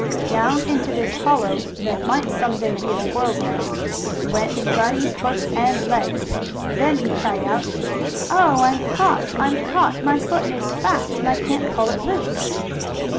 Down into this hollow, that might some day be a squirrel's nest, went Bunny's foot and leg. Then he cried out: "Oh, I'm caught! I'm caught! My foot is fast, and I can't pull it loose!"